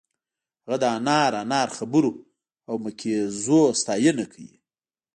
هغه د انار انار خبرو او مکیزونو ستاینه کوي